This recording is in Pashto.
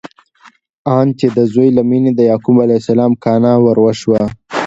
آن چې د زوی له مینې د یعقوب علیه السلام کانه وروشوه!